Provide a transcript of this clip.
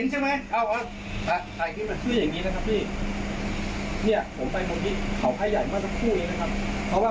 เมื่อเวลามานั่งกินกาแฟก็เห็นชัดเจน